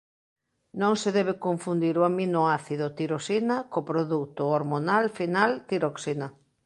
Non se debe confundir o aminoácido tirosina co produto hormonal final tiroxina.